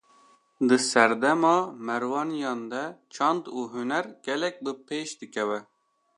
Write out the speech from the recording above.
Di serdema Merwaniyan de çand û huner, gelek bi pêş dikeve